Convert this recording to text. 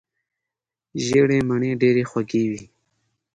ژیړې مڼې ډیرې خوږې وي.